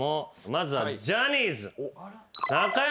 まずはジャニーズ。